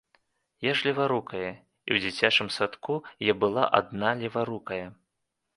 Я ж леварукая, і ў дзіцячым садку я была адна леварукая.